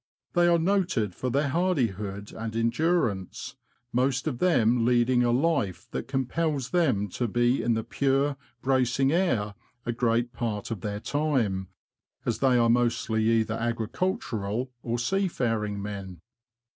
They are noted for their hardihood and endurance, most of them leading a life that compels them to be in the pure, bracing air a great part of their time, as they are mostly either agricultural or seafaring men.